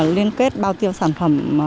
liên kết bao tiêu sản phẩm